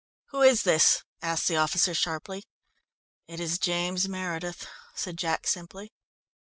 "Who is this?" asked the officer sharply. "It is James Meredith," said Jack simply.